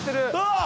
あっ！